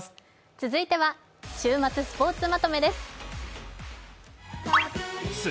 続いては週末スポーツまとめです。